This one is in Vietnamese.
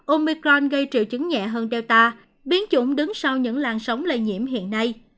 omicron gây triệu chứng nhẹ hơn delta biến chủng đứng sau những làn sóng lây nhiễm hiện nay